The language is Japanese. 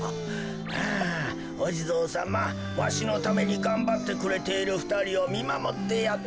ああおじぞうさまわしのためにがんばってくれているふたりをみまもってやってくださいなと。